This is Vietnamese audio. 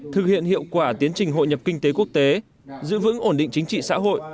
thực hiện hiệu quả tiến trình hội nhập kinh tế quốc tế giữ vững ổn định chính trị xã hội